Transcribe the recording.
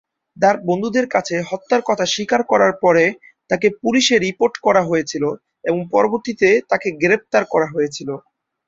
তার বন্ধুদের কাছে হত্যার কথা স্বীকার করার পরে তাকে পুলিশে রিপোর্ট করা হয়েছিল এবং পরবর্তীতে তাকে গ্রেপ্তার করা হয়েছিল।